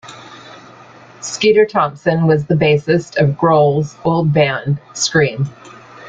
Skeeter Thompson was the bassist of Grohl's old band Scream.